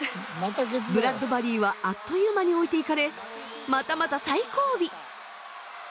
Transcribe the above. ブラッドバリーはあっという間に置いていかれまたまた最後尾。